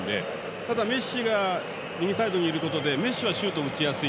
ただ、メッシが右サイドにいるのでメッシはシュートを打ちやすい。